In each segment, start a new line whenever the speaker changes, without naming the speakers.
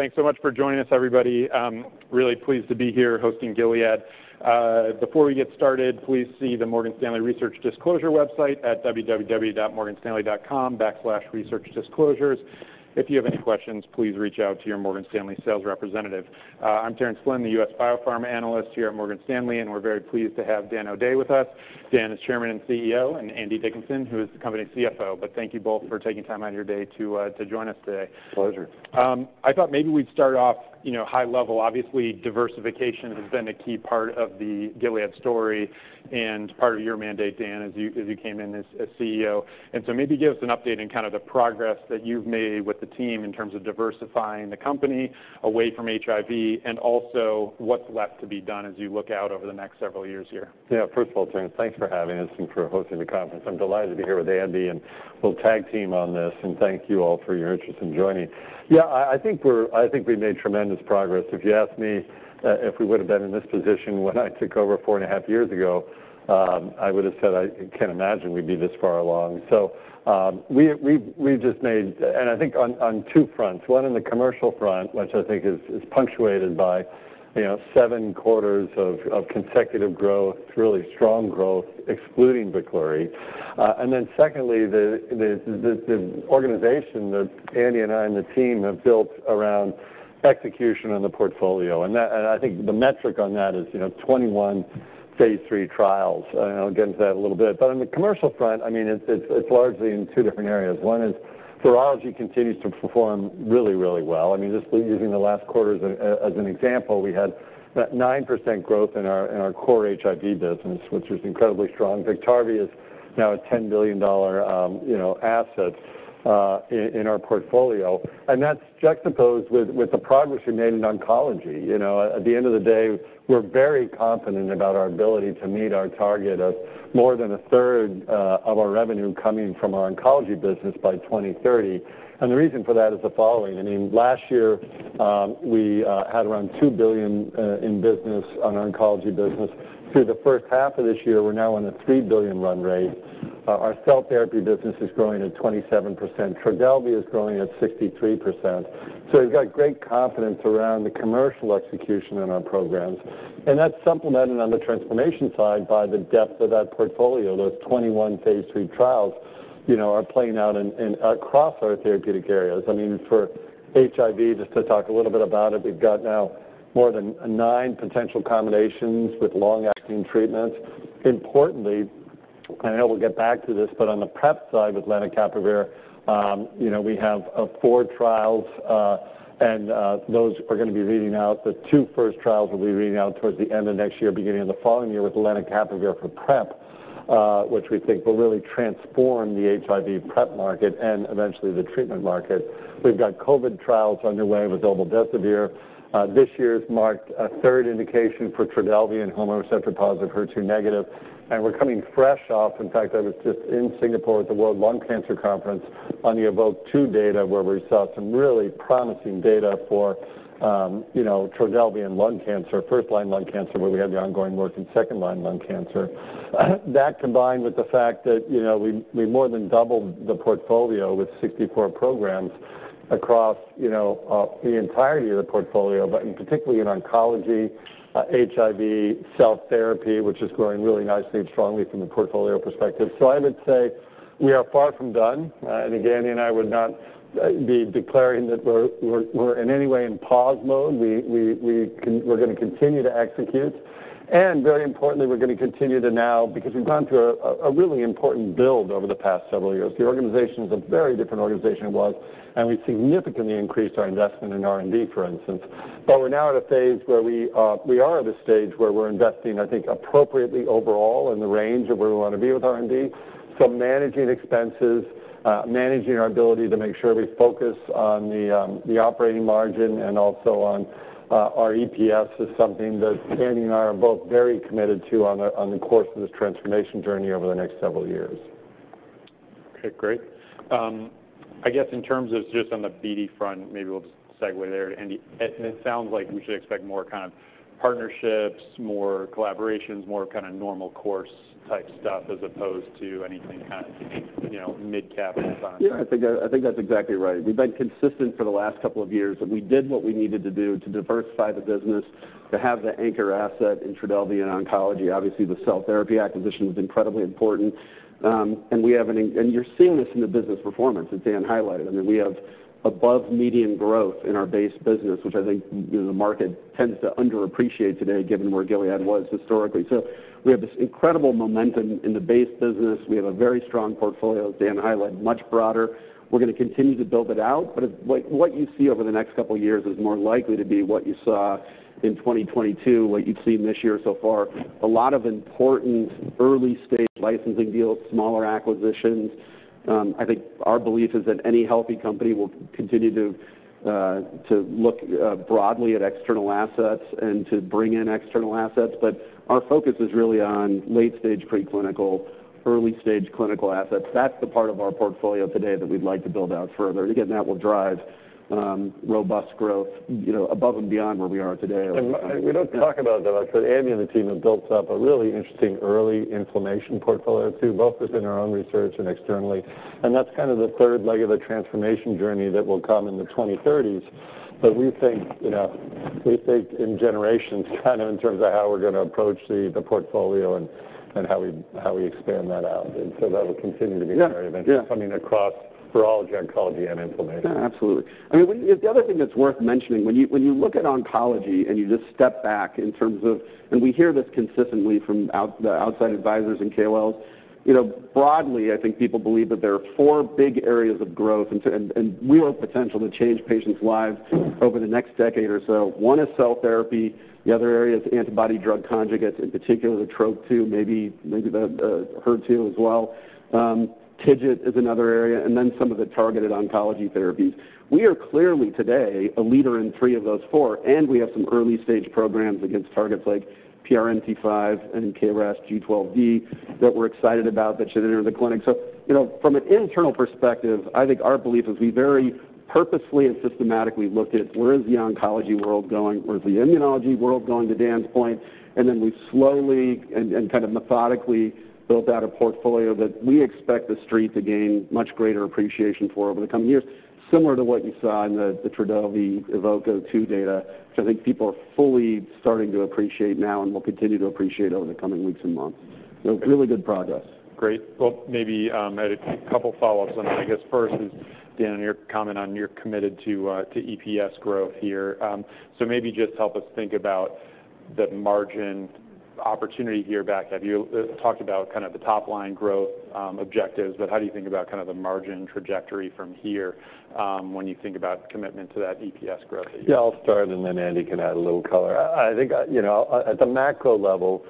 Great. Thanks so much for joining us, everybody. Really pleased to be here hosting Gilead. Before we get started, please see the Morgan Stanley research disclosure website at www.morganstanley.com/researchdisclosures. If you have any questions, please reach out to your Morgan Stanley sales representative. I'm Terence Flynn, the U.S. biopharma analyst here at Morgan Stanley, and we're very pleased to have Dan O'Day with us. Dan is Chairman and CEO, and Andy Dickinson, who is the company's CFO. Thank you both for taking time out of your day to join us today.
Pleasure.
I thought maybe we'd start off, you know, high level. Obviously, diversification has been a key part of the Gilead story and part of your mandate, Dan, as you came in as CEO. So maybe give us an update in kind of the progress that you've made with the team in terms of diversifying the company away from HIV and also what's left to be done as you look out over the next several years here.
Yeah. First of all, Terence, thanks for having us and for hosting the conference. I'm delighted to be here with Andy, and we'll tag team on this, and thank you all for your interest in joining. Yeah, I think we've made tremendous progress. If you asked me if we would have been in this position when I took over four and a half years ago, I would have said, "I can't imagine we'd be this far along." So, we've just made... And I think on two fronts. One, in the commercial front, which I think is punctuated by, you know, seven quarters of consecutive growth, really strong growth, excluding VEKLURY. And then secondly, the organization that Andy and I and the team have built around execution on the portfolio, and I think the metric on that is, you know, 21 phase III trials, and I'll get into that a little bit. But on the commercial front, I mean, it's largely in two different areas. One is virology continues to perform really, really well. I mean, just using the last quarter as an example, we had that 9% growth in our core HIV business, which is incredibly strong. BIKTARVY is now a $10 billion, you know, asset in our portfolio, and that's juxtaposed with the progress we made in oncology. You know, at the end of the day, we're very confident about our ability to meet our target of more than a third of our revenue coming from our oncology business by 2030. The reason for that is the following: I mean, last year, we had around $2 billion in business on our oncology business. Through the first half of this year, we're now on a $3 billion run rate. Our cell therapy business is growing at 27%. TRODELVY is growing at 63%. So we've got great confidence around the commercial execution in our programs, and that's supplemented on the transformation side by the depth of that portfolio. Those 21 phase III trials, you know, are playing out in across our therapeutic areas. I mean, for HIV, just to talk a little bit about it, we've got now more than nine potential combinations with long-acting treatments. Importantly, and I know we'll get back to this, but on the PrEP side with lenacapavir, you know, we have four trials, and those are gonna be reading out. The two first trials will be reading out towards the end of next year, beginning of the following year, with lenacapavir for PrEP, which we think will really transform the HIV PrEP market and eventually the treatment market. We've got COVID trials underway with VEKLURY. This year marked a third indication for TRODELVY and hormone receptor-positive, HER2-negative, and we're coming fresh off. In fact, I was just in Singapore at the World Lung Cancer Conference on the EVOKE-02 data, where we saw some really promising data for, you know, TRODELVY and lung cancer, first-line lung cancer, where we have the ongoing work in second-line lung cancer. That, combined with the fact that, you know, we more than doubled the portfolio with 64 programs across, you know, the entirety of the portfolio, but in particularly in oncology, HIV, cell therapy, which is growing really nicely and strongly from the portfolio perspective. So I would say we are far from done, and again, Andy and I would not be declaring that we're in any way in pause mode. We're gonna continue to execute, and very importantly, we're gonna continue now because we've gone through a really important build over the past several years. The organization is a very different organization it was, and we significantly increased our investment in R&D, for instance. But we're now at a phase where we are at a stage where we're investing, I think, appropriately overall in the range of where we want to be with R&D. So managing expenses, managing our ability to make sure we focus on the operating margin and also on our EPS is something that Andy and I are both very committed to on the course of this transformation journey over the next several years.
Okay, great. I guess in terms of just on the BD front, maybe we'll just segue there, Andy. It sounds like we should expect more kind of partnerships, more collaborations, more kind of normal course type stuff, as opposed to anything kind of, you know, mid-cap in size.
Yeah, I think, I think that's exactly right. We've been consistent for the last couple of years, and we did what we needed to do to diversify the business, to have the anchor asset in TRODELVY and oncology. Obviously, the cell therapy acquisition was incredibly important, and you're seeing this in the business performance that Dan highlighted. I mean, we have above median growth in our base business, which I think, you know, the market tends to underappreciate today, given where Gilead was historically. So we have this incredible momentum in the base business. We have a very strong portfolio, as Dan highlighted, much broader. We're gonna continue to build it out, but what, what you see over the next couple of years is more likely to be what you saw in 2022, what you've seen this year so far. A lot of important early-stage licensing deals, smaller acquisitions. I think our belief is that any healthy company will continue to look broadly at external assets and to bring in external assets, but our focus is really on late-stage preclinical, early-stage clinical assets. That's the part of our portfolio today that we'd like to build out further. Again, that will drive robust growth, you know, above and beyond where we are today.
We don't talk about, though, but Andy and the team have built up a really interesting early inflammation portfolio, too, both within our own research and externally. And that's kind of the third leg of the transformation journey that will come in the 2030s. But we think, you know, we think in generations, kind of in terms of how we're gonna approach the portfolio and how we expand that out. And so that will continue to be.
Yeah, yeah.
Very eventually coming across for all of oncology and inflammation.
Yeah, absolutely. I mean, we, the other thing that's worth mentioning, when you, when you look at oncology, and you just step back in terms of... We hear this consistently from the outside advisors and KOLs. You know, broadly, I think people believe that there are four big areas of growth and real potential to change patients' lives over the next decade or so. One is cell therapy, the other area is antibody drug conjugates, in particular, the Trop-2, maybe, maybe the HER2 as well. TIGIT is another area, and then some of the targeted oncology therapies. We are clearly, today, a leader in three of those four, and we have some early-stage programs against targets like PRMT5 and KRAS G12D that we're excited about that should enter the clinic. So, you know, from an internal perspective, I think our belief is we very purposefully and systematically looked at where is the oncology world going, where is the immunology world going, to Dan's point, and then we've slowly and, and kind of methodically built out a portfolio that we expect the street to gain much greater appreciation for over the coming years, similar to what you saw in the, the TRODELVY EVOKE-02 data, which I think people are fully starting to appreciate now and will continue to appreciate over the coming weeks and months. So really good progress.
Great. Well, maybe I had a couple follow-ups on that. I guess first is, Dan, on your comment on you're committed to to EPS growth here. So maybe just help us think about the margin opportunity here back. Have you talked about kind of the top-line growth objectives, but how do you think about kind of the margin trajectory from here, when you think about commitment to that EPS growth that you.
Yeah, I'll start, and then Andy can add a little color. I think. You know, at the macro level,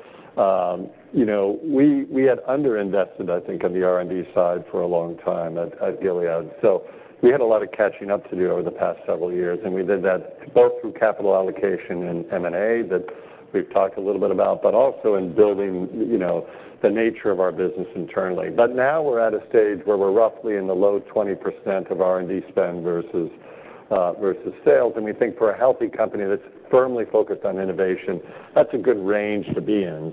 you know, we had underinvested, I think, on the R&D side for a long time at Gilead. So we had a lot of catching up to do over the past several years, and we did that both through capital allocation and M&A that we've talked a little bit about, but also in building, you know, the nature of our business internally. But now we're at a stage where we're roughly in the low 20% of R&D spend versus sales, and we think for a healthy company that's firmly focused on innovation, that's a good range to be in.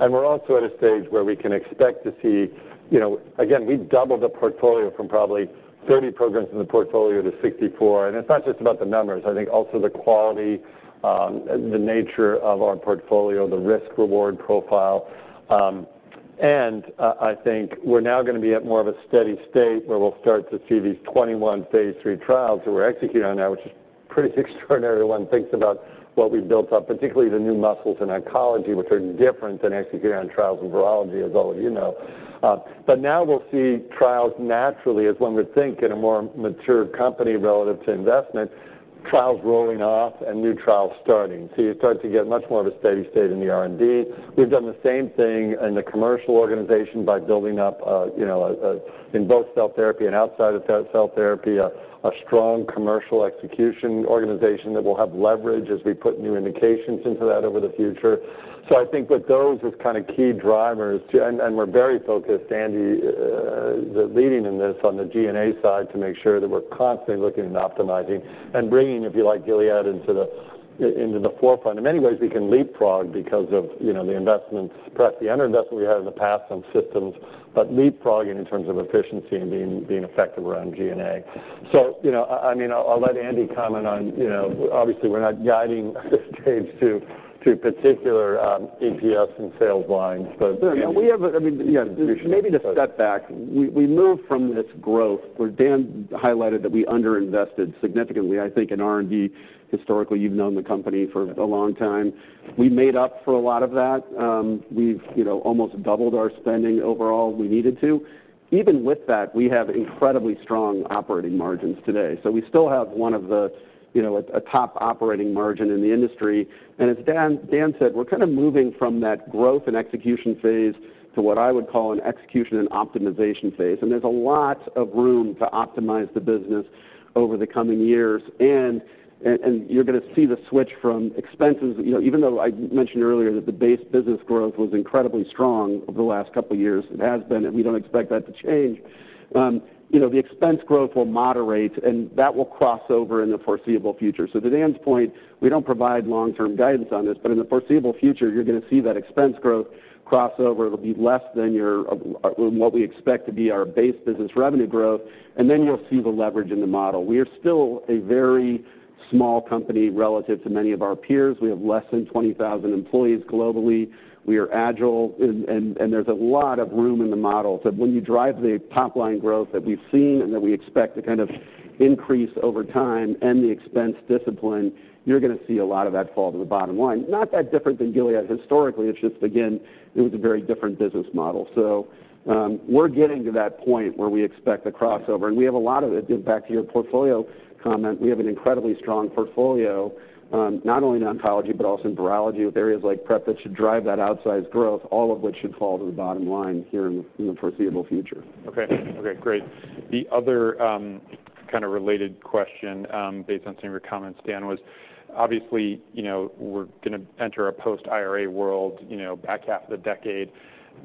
And we're also at a stage where we can expect to see, you know, again, we doubled the portfolio from probably 30 programs in the portfolio to 64. And it's not just about the numbers, I think also the quality, the nature of our portfolio, the risk-reward profile. And I think we're now gonna be at more of a steady state, where we'll start to see these 21 phase III trials that we're executing on now, which is pretty extraordinary when one thinks about what we've built up, particularly the new muscles in oncology, which are different than executing on trials in virology, as all of you know. But now we'll see trials naturally, as one would think, in a more mature company relative to investment, trials rolling off and new trials starting. So you start to get much more of a steady state in the R&D. We've done the same thing in the commercial organization by building up, you know, in both cell therapy and outside of cell therapy, a strong commercial execution organization that will have leverage as we put new indications into that over the future. So I think with those as kind of key drivers, too, and we're very focused, Andy, leading in this on the G&A side, to make sure that we're constantly looking and optimizing and bringing, if you like, Gilead into the forefront. In many ways, we can leapfrog because of, you know, the investments, perhaps the underinvestment we had in the past on systems, but leapfrogging in terms of efficiency and being effective around G&A. So, you know, I mean, I'll let Andy comment on, you know, obviously, we're not guiding this stage to particular EPS and sales lines, but-
No, I mean.
Yeah.
Maybe to step back, we moved from this growth, where Dan highlighted that we underinvested significantly, I think, in R&D historically. You've known the company for a long time. We made up for a lot of that. We've, you know, almost doubled our spending overall. We needed to. Even with that, we have incredibly strong operating margins today. So we still have one of the, you know, a top operating margin in the industry. And as Dan said, we're kind of moving from that growth and execution phase to what I would call an execution and optimization phase. And there's a lot of room to optimize the business over the coming years. You're gonna see the switch from expenses, you know, even though I mentioned earlier that the base business growth was incredibly strong over the last couple of years, it has been, and we don't expect that to change. You know, the expense growth will moderate, and that will cross over in the foreseeable future. So to Dan's point, we don't provide long-term guidance on this, but in the foreseeable future, you're gonna see that expense growth cross over. It'll be less than your, what we expect to be our base business revenue growth, and then you'll see the leverage in the model. We are still a very small company relative to many of our peers. We have less than 20,000 employees globally. We are agile, and there's a lot of room in the model that when you drive the top-line growth that we've seen and that we expect to kind of increase over time and the expense discipline, you're gonna see a lot of that fall to the bottom line. Not that different than Gilead historically. It's just, again, it was a very different business model. So, we're getting to that point where we expect a crossover, and we have a lot of it. Back to your portfolio comment, we have an incredibly strong portfolio, not only in oncology, but also in virology, with areas like PrEP, that should drive that outsized growth, all of which should fall to the bottom line here in the foreseeable future.
Okay. Okay, great. The other, kind of related question, based on some of your comments, Dan, was obviously, you know, we're gonna enter a post-IRA world, you know, back half of the decade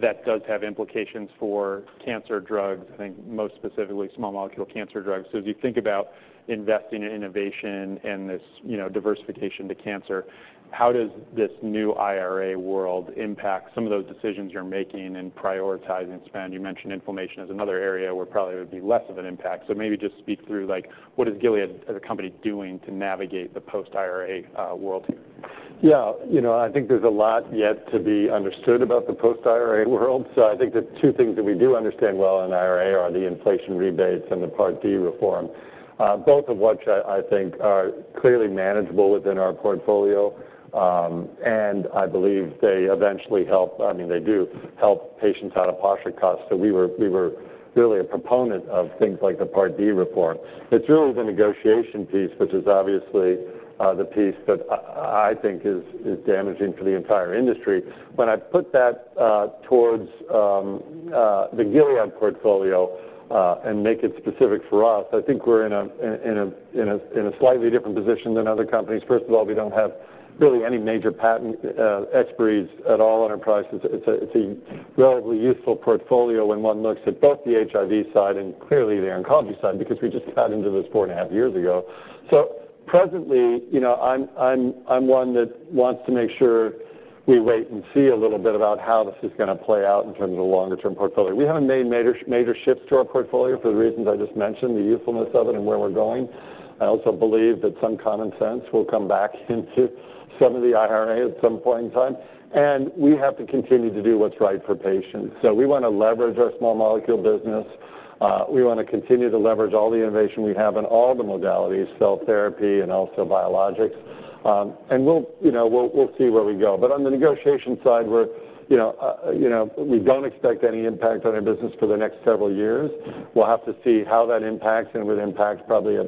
that does have implications for cancer drugs, I think most specifically small molecule cancer drugs. So as you think about investing in innovation and this, you know, diversification to cancer, how does this new IRA world impact some of those decisions you're making and prioritizing spend? You mentioned inflammation as another area where probably it would be less of an impact. So maybe just speak through, like, what is Gilead as a company doing to navigate the post-IRA world?
Yeah, you know, I think there's a lot yet to be understood about the post-IRA world. So I think the two things that we do understand well in IRA are the inflation rebates and the Part D reform, both of which I think are clearly manageable within our portfolio. And I believe they eventually help—I mean, they do help patients out-of-pocket costs. So we were really a proponent of things like the Part D reform. It's really the negotiation piece, which is obviously the piece that I think is damaging for the entire industry. When I put that towards the Gilead portfolio, and make it specific for us, I think we're in a slightly different position than other companies. First of all, we don't have really any major patent expiries at all on our prices. It's a relatively useful portfolio when one looks at both the HIV side and clearly the oncology side, because we just got into this four and half years ago. So presently, you know, I'm one that wants to make sure we wait and see a little bit about how this is gonna play out in terms of the longer-term portfolio. We haven't made major, major shifts to our portfolio for the reasons I just mentioned, the usefulness of it and where we're going. I also believe that some common sense will come back into some of the IRA at some point in time, and we have to continue to do what's right for patients. So we want to leverage our small molecule business. We want to continue to leverage all the innovation we have in all the modalities, cell therapy and also biologics. We'll, you know, we'll see where we go. But on the negotiation side, we're, you know, you know, we don't expect any impact on our business for the next several years. We'll have to see how that impacts, and it would impact probably a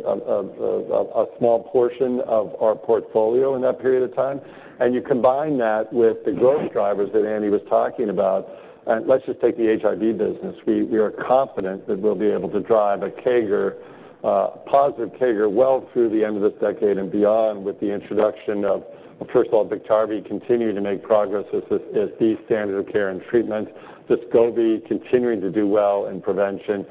small portion of our portfolio in that period of time. And you combine that with the growth drivers that Andy was talking about, and let's just take the HIV business. We are confident that we'll be able to drive a CAGR, positive CAGR well through the end of this decade and beyond, with the introduction of, first of all, BIKTARVY continuing to make progress as the standard of care and treatment. Descovy continuing to do well in prevention,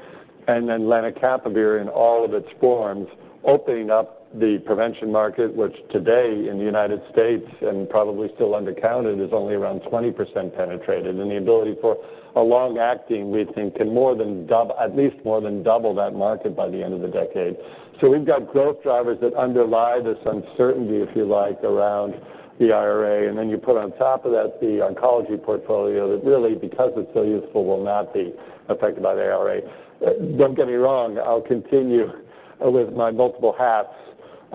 and then lenacapavir in all of its forms, opening up the prevention market, which today in the United States, and probably still undercounted, is only around 20% penetrated. And the ability for a long-acting, we think, can more than double, at least more than double that market by the end of the decade. So we've got growth drivers that underlie this uncertainty, if you like, around the IRA. And then you put on top of that the oncology portfolio that really, because it's so useful, will not be affected by the IRA. Don't get me wrong, I'll continue with my multiple hats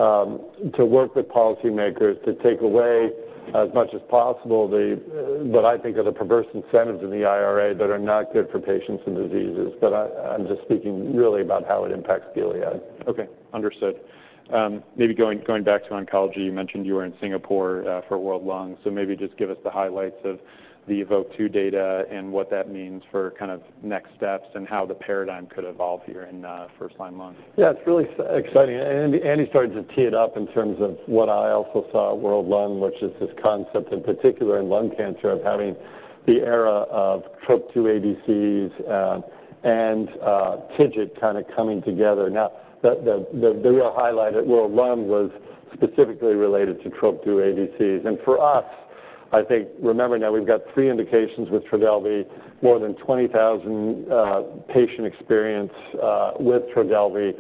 to work with policymakers to take away as much as possible the, what I think are the perverse incentives in the IRA that are not good for patients and diseases. But I'm just speaking really about how it impacts Gilead.
Okay, understood. Maybe going back to oncology, you mentioned you were in Singapore for World Lung. So maybe just give us the highlights of the EVOKE-2 data and what that means for kind of next steps and how the paradigm could evolve here in first-line lung.
Yeah, it's really exciting, and Andy started to tee it up in terms of what I also saw at World Lung, which is this concept, in particular in lung cancer, of having the era of Trop-2 ADCs, and TIGIT kind of coming together. Now, the real highlight at World Lung was specifically related to Trop-2 ADCs. And for us, I think, remember now we've got three indications with TRODELVY, more than 20,000 patient experience with TRODELVY.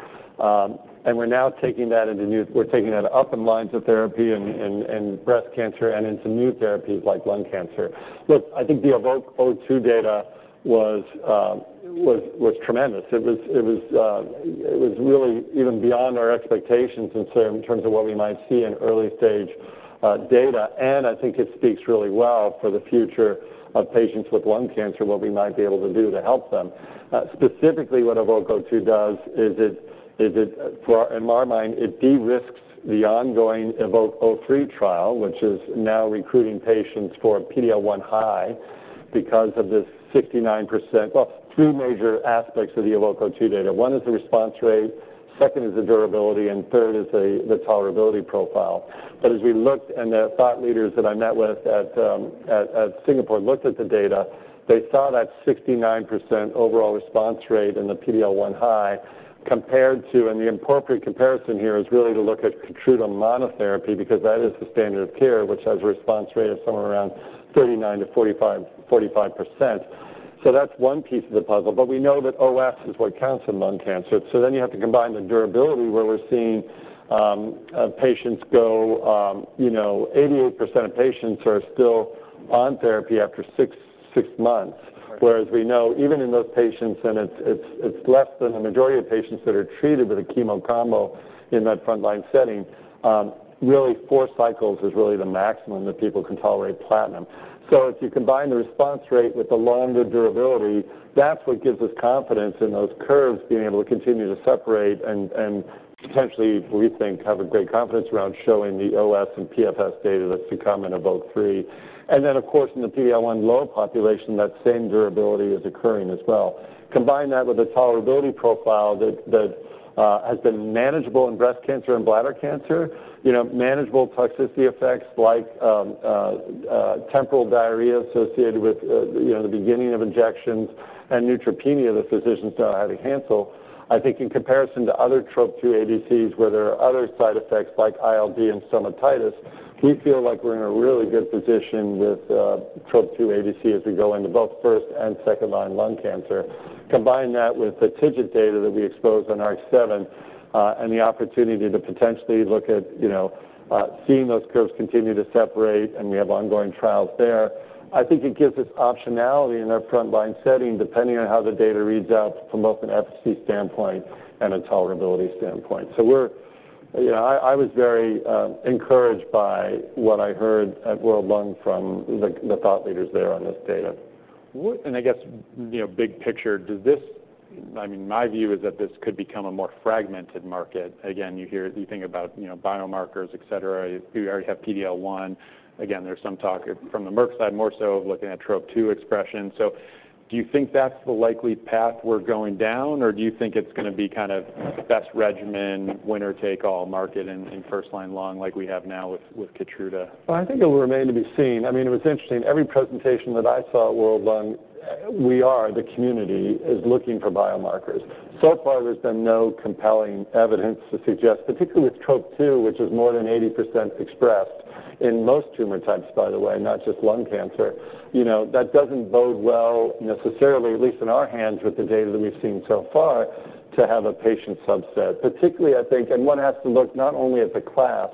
And we're now taking that up in lines of therapy and in breast cancer and in some new therapies like lung cancer. Look, I think the EVOKE-02 data was tremendous. It was really even beyond our expectations in certain terms of what we might see in early stage data. I think it speaks really well for the future of patients with lung cancer, what we might be able to do to help them. Specifically, what EVOKE-02 does is, in my mind, it de-risks the ongoing EVOKE-03 trial, which is now recruiting patients for PD-L1 high because of this 69%. Well, two major aspects of the EVOKE-02 data. One is the response rate, second is the durability, and third is the tolerability profile. But as we looked, and the thought leaders that I met with at Singapore looked at the data, they saw that 69% overall response rate in the PD-L1 high, compared to, and the appropriate comparison here is really to look at KEYTRUDA monotherapy, because that is the standard of care, which has a response rate of somewhere around 39%-45%. So that's one piece of the puzzle. But we know that OS is what counts in lung cancer. So then you have to combine the durability, where we're seeing patients go, you know, 88% of patients are still on therapy after six months. Whereas we know even in those patients, and it's less than the majority of patients that are treated with a chemo combo in that frontline setting, really, four cycles is really the maximum that people can tolerate platinum. So if you combine the response rate with the longer durability, that's what gives us confidence in those curves being able to continue to separate and potentially, we think, have great confidence around showing the OS and PFS data that's to come in about three. And then, of course, in the PD-L1 low population, that same durability is occurring as well. Combine that with a tolerability profile that has been manageable in breast cancer and bladder cancer, you know, manageable toxicity effects like temporary diarrhea associated with you know, the beginning of injections and neutropenia, the physicians know how to handle. I think in comparison to other Trop-2 ADCs, where there are other side effects like ILD and stomatitis, we feel like we're in a really good position with Trop-2 ADC as we go into both first and second-line lung cancer. Combine that with the TIGIT data that we exposed on ARC-7, and the opportunity to potentially look at, you know, seeing those curves continue to separate, and we have ongoing trials there. I think it gives us optionality in our frontline setting, depending on how the data reads out from both an efficacy standpoint and a tolerability standpoint. So we're you know, I was very encouraged by what I heard at World Lung from the thought leaders there on this data.
What... And I guess, you know, big picture, does this—I mean, my view is that this could become a more fragmented market. Again, you hear, you think about, you know, biomarkers, et cetera. You already have PD-L1. Again, there's some talk from the Merck side, more so of looking at Trop-2 expression. So do you think that's the likely path we're going down, or do you think it's gonna be kind of best regimen, winner-take-all market in, in first line lung, like we have now with, with KEYTRUDA?
Well, I think it will remain to be seen. I mean, it was interesting, every presentation that I saw at World Lung, we are, the community, is looking for biomarkers. So far, there's been no compelling evidence to suggest, particularly with Trop-2, which is more than 80% expressed in most tumor types, by the way, not just lung cancer. You know, that doesn't bode well, necessarily, at least in our hands, with the data that we've seen so far, to have a patient subset. Particularly, I think, and one has to look not only at the class,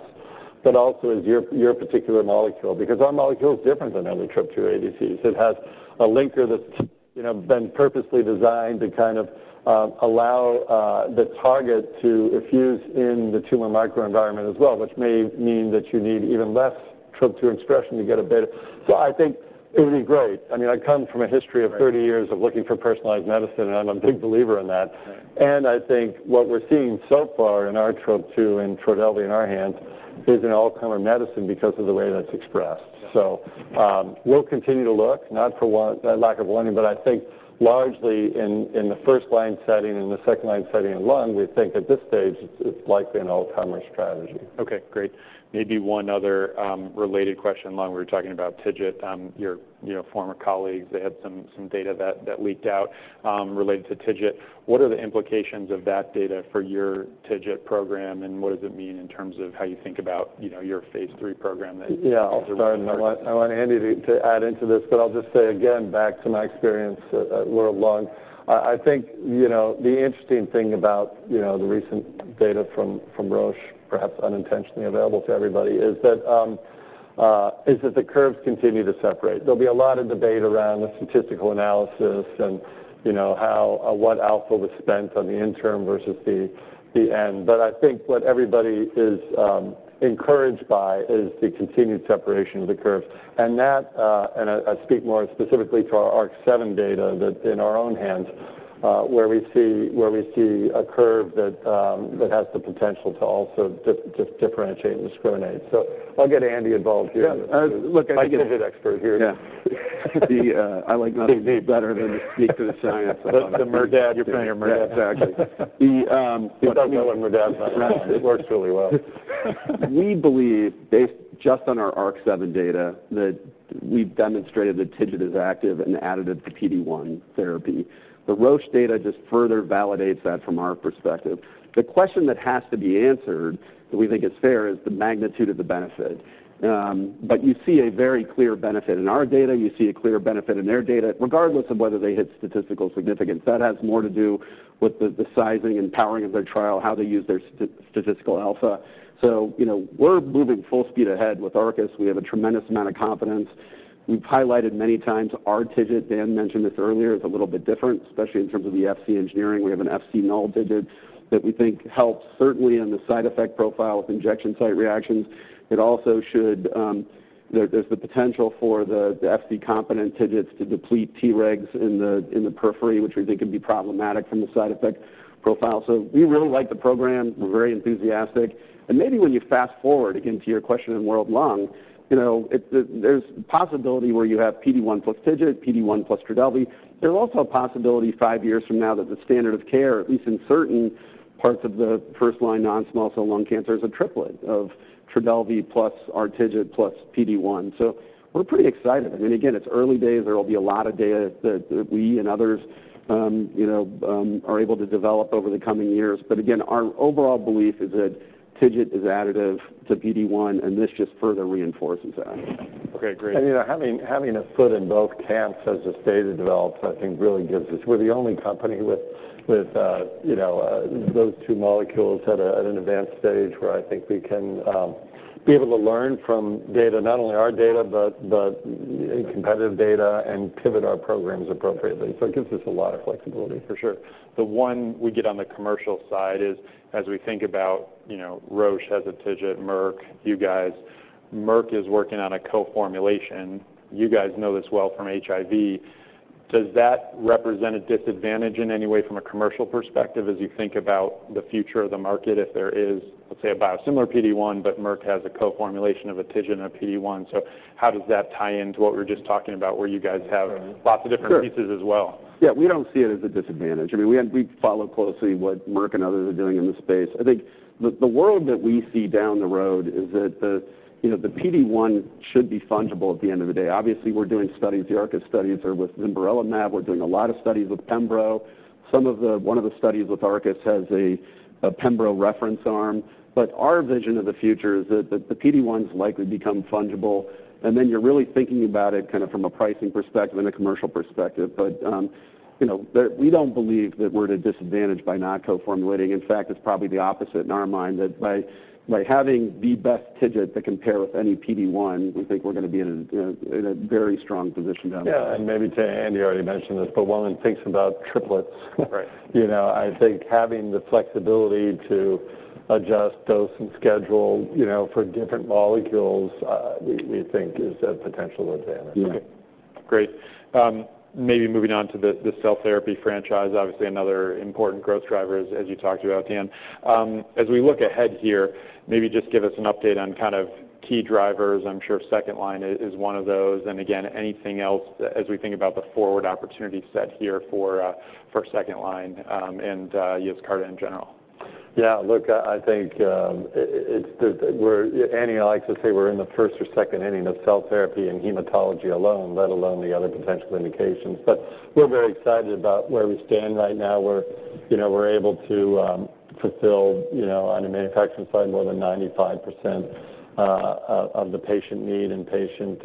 but also as your, your particular molecule, because our molecule is different than other Trop-2 ADCs. It has a linker that's, you know, been purposely designed to kind of allow the target to diffuse in the tumor microenvironment as well, which may mean that you need even less Trop-2 expression to get a better. So I think it would be great. I mean, I come from a history of 30 years of looking for personalized medicine, and I'm a big believer in that.
Right.
I think what we're seeing so far in our Trop-2, in TRODELVY, in our hands, is an all-comer medicine because of the way that's expressed.
Yeah.
So, we'll continue to look, not for want, that lack of learning, but I think largely in the first-line setting and the second-line setting in lung, we think at this stage, it's likely an all-comer strategy.
Okay, great. Maybe one other related question. Along we were talking about TIGIT, your, you know, former colleagues, they had some data that leaked out related to TIGIT. What are the implications of that data for your TIGIT program, and what does it mean in terms of how you think about, you know, your phase III program that-
Yeah, I'll start, and I want Andy to add into this, but I'll just say again, back to my experience at World Lung. I think, you know, the interesting thing about, you know, the recent data from Roche, perhaps unintentionally available to everybody, is that the curves continue to separate. There'll be a lot of debate around the statistical analysis and, you know, how or what alpha was spent on the interim versus the end. But I think what everybody is encouraged by is the continued separation of the curves. And that I speak more specifically to our ARC-7 data, that in our own hands, where we see a curve that has the potential to also differentiate and discriminate. So I'll get Andy involved here.
Yeah, look, I think.
I'm an expert here.
Yeah. I like nothing better than to speak to the science.
That's the Merdad. You're playing your Merdad.
Exactly.
He doesn't know what Merdad is.
Right.
It works really well.
We believe, based just on our ARC-7 data, that we've demonstrated that TIGIT is active and additive to PD-1 therapy. The Roche data just further validates that from our perspective. The question that has to be answered, that we think is fair, is the magnitude of the benefit. But you see a very clear benefit in our data. You see a clear benefit in their data, regardless of whether they hit statistical significance. That has more to do with the sizing and powering of their trial, how they use their statistical alpha. So you know, we're moving full speed ahead with Arcus. We have a tremendous amount of confidence. We've highlighted many times our TIGIT, Dan mentioned this earlier, is a little bit different, especially in terms of the Fc engineering. We have an Fc-null TIGIT that we think helps, certainly in the side effect profile with injection site reactions. It also should. There's the potential for the Fc-competent TIGITs to deplete T-regs in the periphery, which we think can be problematic from the side effect profile. So we really like the program. We're very enthusiastic. And maybe when you fast-forward, again, to your question in World Lung, you know, there's possibility where you have PD-1 plus TIGIT, PD-1 plus TRODELVY. There's also a possibility, five years from now, that the standard of care, at least in certain parts of the first-line non-small cell lung cancer, is a triplet of TRODELVY plus our TIGIT plus PD-1. So we're pretty excited. I mean, again, it's early days. There will be a lot of data that we and others, you know, are able to develop over the coming years. But again, our overall belief is that TIGIT is additive to PD-1, and this just further reinforces that.
Okay, great.
You know, having a foot in both camps as this data develops, I think, really gives us... We're the only company with, you know, those two molecules at an advanced stage, where I think we can be able to learn from data, not only our data, but competitive data and pivot our programs appropriately. So it gives us a lot of flexibility.
For sure. The one we get on the commercial side is, as we think about, you know, Roche has a TIGIT, Merck, you guys. Merck is working on a co-formulation. You guys know this well from HIV. Does that represent a disadvantage in any way from a commercial perspective, as you think about the future of the market, if there is, let's say, a biosimilar PD-1, but Merck has a co-formulation of a TIGIT, a PD-1? So how does that tie into what we were just talking about, where you guys have lots of different.
Sure
Pieces as well?
Yeah, we don't see it as a disadvantage. I mean, we follow closely what Merck and others are doing in this space. I think the world that we see down the road is that, you know, the PD-1 should be fungible at the end of the day. Obviously, we're doing studies, the Arcus studies are with pembrolizumab. We're doing a lot of studies with pembro. One of the studies with Arcus has a pembro reference arm. But our vision of the future is that the PD-1s likely become fungible, and then you're really thinking about it kind of from a pricing perspective and a commercial perspective. But, you know, we don't believe that we're at a disadvantage by not co-formulating. In fact, it's probably the opposite in our mind, that by, by having the best TIGIT to compare with any PD-1, we think we're gonna be in a, in a very strong position down the line.
Yeah, and maybe Andy already mentioned this, but one thinks about triplets.
Right.
You know, I think having the flexibility to adjust dose and schedule, you know, for different molecules, we think is a potential advantage.
Right.
Okay, great. Maybe moving on to the cell therapy franchise, obviously another important growth driver, as you talked about, Dan. As we look ahead here, maybe just give us an update on kind of key drivers. I'm sure second line is one of those, and again, anything else as we think about the forward opportunity set here for, for second line, and, YESCARTA in general.
Yeah, look, I think it's that Andy and I like to say we're in the first or second inning of cell therapy and hematology alone, let alone the other potential indications. But we're very excited about where we stand right now, where, you know, we're able to fulfill, you know, on the manufacturing side, more than 95% of the patient need and patient,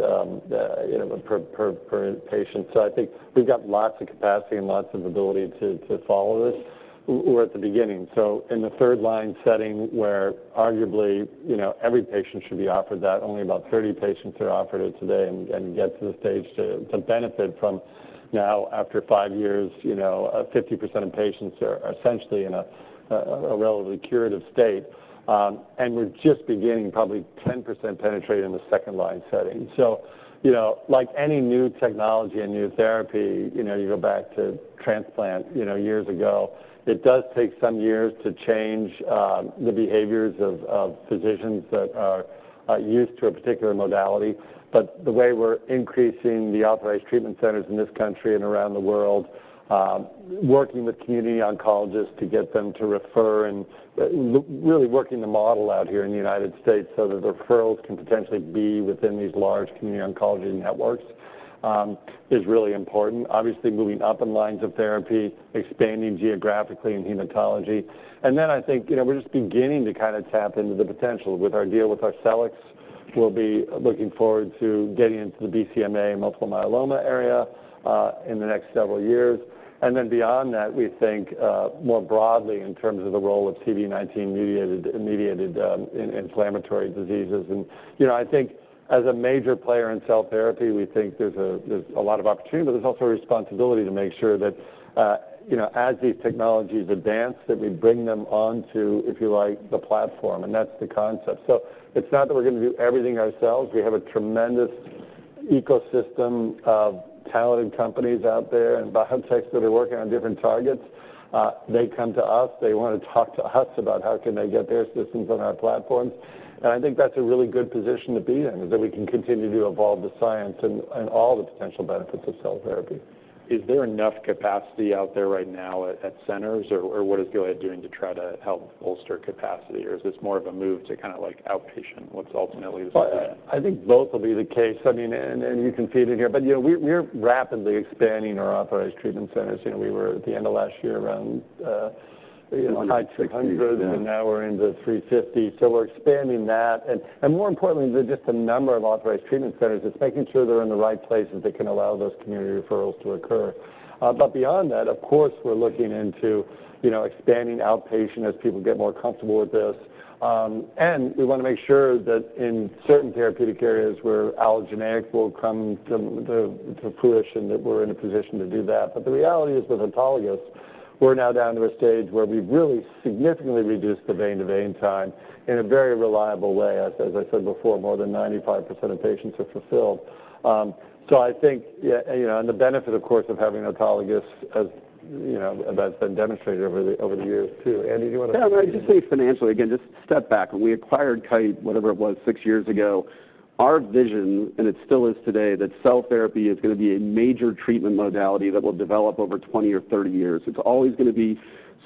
you know, per patient. So I think we've got lots of capacity and lots of ability to follow this. We're at the beginning. So in the third line setting, where arguably, you know, every patient should be offered that, only about 30 patients are offered it today, and get to the stage to benefit from now, after five years, you know, 50% of patients are essentially in a relatively curative state. And we're just beginning, probably 10% penetrated in the second line setting. So, you know, like any new technology and new therapy, you know, you go back to transplant, you know, years ago, it does take some years to change the behaviors of physicians that are used to a particular modality. But the way we're increasing the authorized treatment centers in this country and around the world, working with community oncologists to get them to refer and really working the model out here in the United States so that the referrals can potentially be within these large community oncology networks, is really important. Obviously, moving up in lines of therapy, expanding geographically in hematology. And then I think, you know, we're just beginning to kind of tap into the potential. With our deal with Arcus, we'll be looking forward to getting into the BCMA multiple myeloma area, in the next several years. And then beyond that, we think, more broadly in terms of the role of CD19 mediated inflammatory diseases. You know, I think as a major player in cell therapy, we think there's a lot of opportunity, but there's also a responsibility to make sure that, you know, as these technologies advance, that we bring them onto, if you like, the platform, and that's the concept. So it's not that we're going to do everything ourselves. We have a tremendous ecosystem of talented companies out there and biotech that are working on different targets. They come to us, they want to talk to us about how can they get their systems on our platform. And I think that's a really good position to be in, is that we can continue to evolve the science and all the potential benefits of cell therapy.
Is there enough capacity out there right now at centers, or what is go ahead doing to try to help bolster capacity? Or is this more of a move to kind of like outpatient? What's ultimately the plan?
Well, I think both will be the case. I mean, and you can feed in here, but, you know, we're rapidly expanding our authorized treatment centers. You know, we were at the end of last year around, you know, high 200s.
Six, yeah.
And now we're into 350. So we're expanding that. And more importantly than just the number of authorized treatment centers, it's making sure they're in the right places that can allow those community referrals to occur. But beyond that, of course, we're looking into, you know, expanding outpatient as people get more comfortable with this. And we want to make sure that in certain therapeutic areas where allogeneic will come to fruition, that we're in a position to do that. But the reality is, with autologous, we're now down to a stage where we've really significantly reduced the vein to vein time in a very reliable way. As I said before, more than 95% of patients are fulfilled. So I think, yeah, you know, and the benefit, of course, of having autologous, as you know, that's been demonstrated over the years, too. Andy, do you want to.
Yeah, I'll just say financially, again, just step back. When we acquired Kite, whatever it was, 6 years ago, our vision, and it still is today, that cell therapy is going to be a major treatment modality that will develop over 20 or 30 years. It's always going to be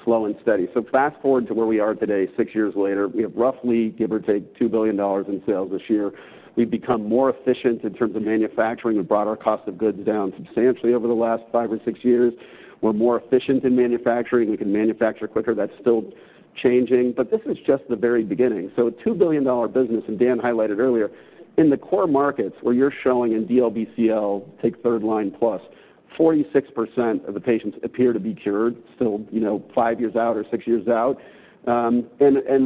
slow and steady. So fast-forward to where we are today, six years later, we have roughly, give or take, $2 billion in sales this year. We've become more efficient in terms of manufacturing. We've brought our cost of goods down substantially over the last five or six years. We're more efficient in manufacturing. We can manufacture quicker. That's still changing, but this is just the very beginning. So a $2 billion business, and Dan highlighted earlier, in the core markets where you're showing in DLBCL, take third line plus, 46% of the patients appear to be cured, still, you know, five years out or six years out. And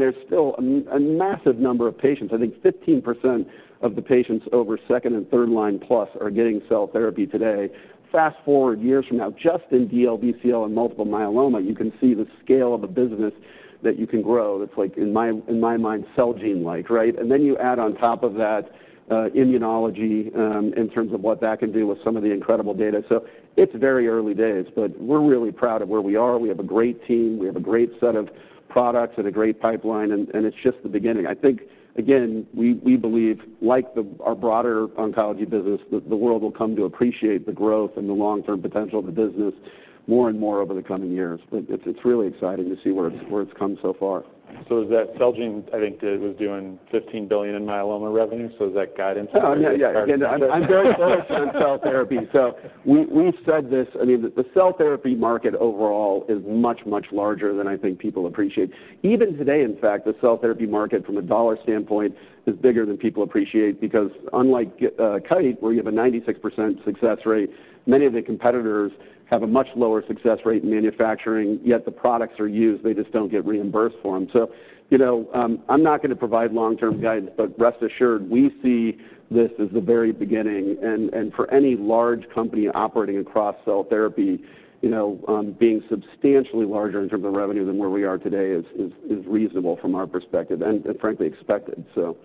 there's still a massive number of patients, I think 15% of the patients over second and third line plus are getting cell therapy today. Fast forward years from now, just in DLBCL and multiple myeloma, you can see the scale of a business that you can grow. That's like in my, in my mind, Celgene-like, right? And then you add on top of that, immunology, in terms of what that can do with some of the incredible data. So it's very early days, but we're really proud of where we are. We have a great team, we have a great set of products and a great pipeline, and it's just the beginning. I think, again, we believe, like our broader oncology business, the world will come to appreciate the growth and the long-term potential of the business more and more over the coming years. But it's really exciting to see where it's come so far.
So is that Celgene, I think, was doing $15 billion in myeloma revenue, so is that guidance for you?
Yeah. Again, I'm very bullish on cell therapy. So we, we've said this, I mean, the cell therapy market overall is much, much larger than I think people appreciate. Even today, in fact, the cell therapy market, from a dollar standpoint, is bigger than people appreciate, because unlike Kite, where you have a 96% success rate, many of the competitors have a much lower success rate in manufacturing, yet the products are used, they just don't get reimbursed for them. So you know, I'm not going to provide long-term guidance, but rest assured, we see this as the very beginning. And for any large company operating across cell therapy, you know, being substantially larger in terms of revenue than where we are today is reasonable from our perspective and frankly, expected. So,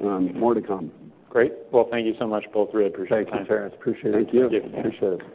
more to come.
Great. Well, thank you so much, both. Really appreciate your time.
Thank you, Terence. Appreciate it.
Thank you.
Appreciate it.